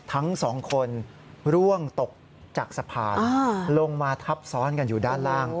ทั้งสองคนร่วงตกจากสะพานลงมาทับซ้อนกันอยู่ด้านล่าง